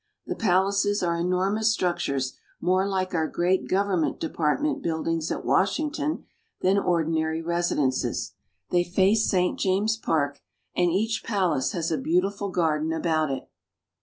The palaces are enormous structures more like our great gov ernment department buildings at Washington than ordi nary residences. They face St. James Park, and each palace has a beautiful garden about it.